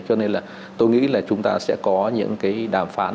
cho nên là tôi nghĩ là chúng ta sẽ có những cái đàm phán